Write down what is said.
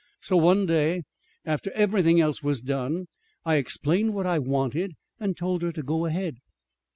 So one day, after everything else was done, I explained what I wanted, and told her to go ahead."